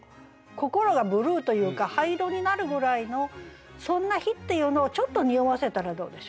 心がブルーというか灰色になるぐらいのそんな日っていうのをちょっとにおわせたらどうでしょうね。